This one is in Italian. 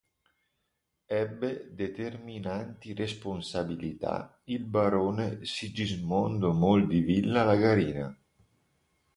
In entrambe le Commissioni ebbe determinanti responsabilità il barone Sigismondo Moll di Villa Lagarina.